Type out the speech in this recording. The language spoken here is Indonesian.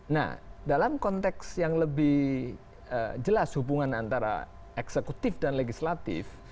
nah dalam konteks yang lebih jelas hubungan antara eksekutif dan legislatif